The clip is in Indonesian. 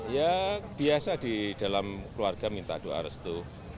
ya biasa di dalam keluarga minta doa restu